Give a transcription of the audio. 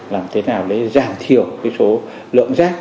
làm thế nào để giảm thiểu số lượng rác